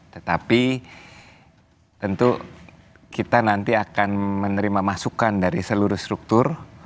tetapi tentu kita nanti akan menerima masukan dari seluruh struktur